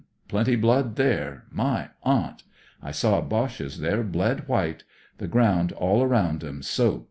Plenty blood there— my aunt ! I saw Boches there bled white ; the ground all round 'em soaked."